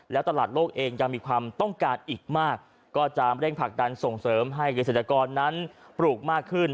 แล้วตลาดโลกเองยังมีความต้องการอีกมากก็จะเร่งผลักดันส่งเสริมให้เกษตรกรนั้นปลูกมากขึ้น